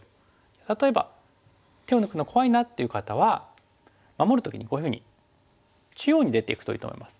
例えば手を抜くの怖いなっていう方は守る時にこういうふうに中央に出ていくといいと思います。